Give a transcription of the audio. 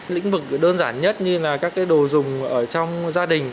lĩnh vực đơn giản nhất như là các cái đồ dùng ở trong gia đình